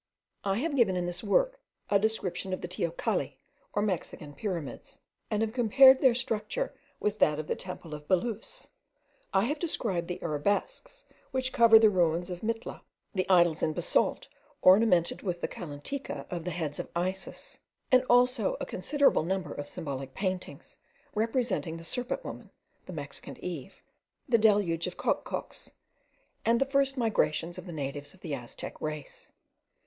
I have given in this work a description of the teocalli, or Mexican pyramids, and have compared their structure with that of the temple of Belus. I have described the arabesques which cover the ruins of Mitla, the idols in basalt ornamented with the calantica of the heads of Isis; and also a considerable number of symbolical paintings, representing the serpent woman (the Mexican Eve), the deluge of Coxcox, and the first migrations of the natives of the Aztec race.